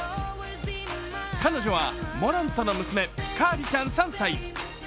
彼女はモラントの娘、カアリちゃん３歳。